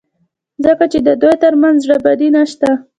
ځکه چې د دوی ترمنځ زړه بدي نشته.